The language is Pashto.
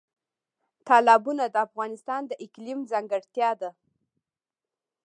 تالابونه د افغانستان د اقلیم ځانګړتیا ده.